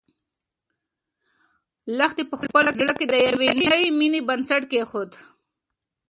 لښتې په خپل زړه کې د یوې نوې مېنې بنسټ کېښود.